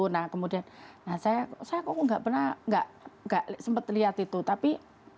nah kemudian saya kok nggak pernah nggak sempat lihat itu tapi